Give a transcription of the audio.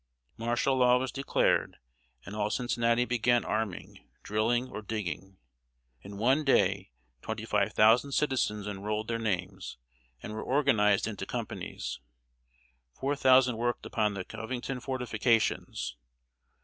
Martial law was declared, and all Cincinnati began arming, drilling, or digging. In one day, twenty five thousand citizens enrolled their names, and were organized into companies. Four thousand worked upon the Covington fortifications.